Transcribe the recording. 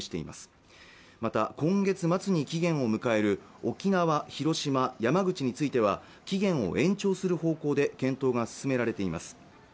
また今月末に期限を迎える沖縄、広島、山口については期限を延長する方向で検討が進められています